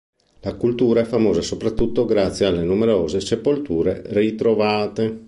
La cultura è famosa soprattutto grazie alle numerose sepolture ritrovate.